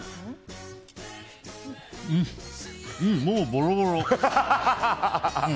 もう、ボロボロ。